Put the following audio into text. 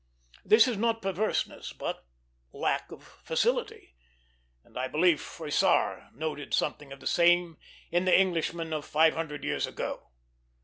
This is not perverseness, but lack of facility; and I believe Froissart noted something of the same in the Englishmen of five hundred years ago.